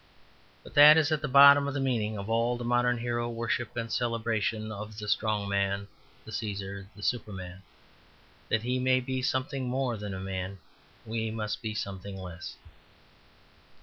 But that is at bottom the meaning of all modern hero worship and celebration of the Strong Man, the Caesar the Superman. That he may be something more than man, we must be something less.